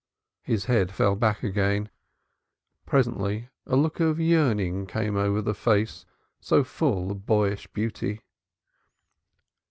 His head fell back again. Presently a look of yearning came over the face so full of boyish beauty.